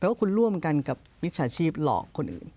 เพราะคุณรั่วรเหมือนกันกับวิชาชีพหลอกคนอื่น